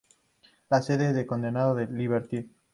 La sede de condado es Liberty.